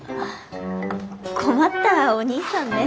困ったお兄さんね。